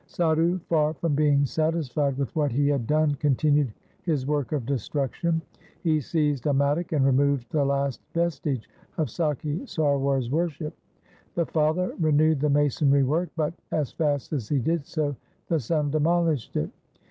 Sadhu far from being satisfied with what he had done continued his work of destruction. He seized a mattock and removed the last vestige of Sakhi Sarwar's worship. The father renewed the masonry work but, as fast as he did so, the son demolished it.